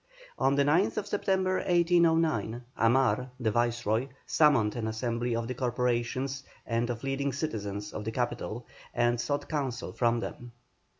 On the 9th September, 1809, Amar, the Viceroy, summoned an assembly of the Corporations and of leading citizens of the capital, and sought counsel from them.